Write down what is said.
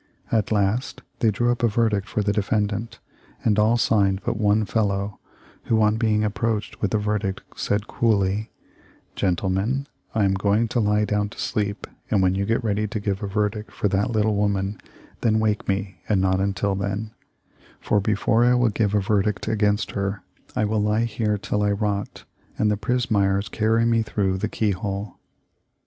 At last they drew up a verdict for the de fendant, and all signed but one fellow, who on be ing approached with the verdict said, coolly: 'Gen tlemen, I am going to lie down to sleep, and when you get ready to give a verdict for that little woman, then wake me and not until then; for be fore I will give a verdict against her I will lie here till I rot and the pismires carry me out through the key hole.'